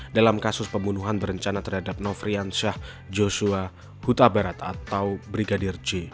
dalam kasus pembunuhan berencana terhadap nofrian syah joshua huta barat atau brigadir c